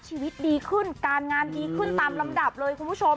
ชีวิตดีขึ้นการงานดีขึ้นตามลำดับเลยคุณผู้ชม